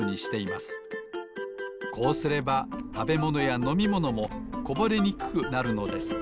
こうすればたべものやのみものもこぼれにくくなるのです。